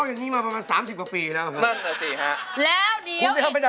ไม่เอาไปดักไหนนะ